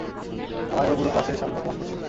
আমায় ও পুরো ক্লাসের সামনে অপমান করছিল।